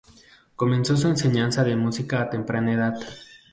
Comenzó su enseñanza de música a temprana edad.